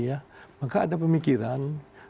ya maka ada pemikiran